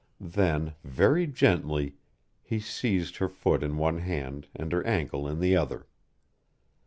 Then, very gently, he seized her foot in one hand and her ankle in the other.